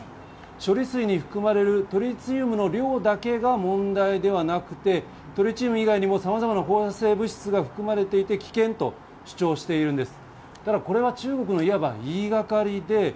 処理水に含まれるトリチウムの量だけが問題ではなくて、トリチウム以外にもさまざまな後発性物質が含まれていて危険と主張しています。